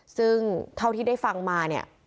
ซึ่งเท่าที่ได้ฟังมาเนี่ย